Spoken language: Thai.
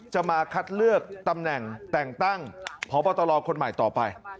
จะมาคัดเลือกตำแหน่งแต่งตั้งพบตรคนใหม่ต่อไป